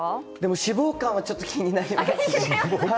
脂肪肝はちょっと気になります。